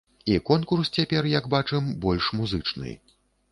І конкурс цяпер, як бачым, больш музычны.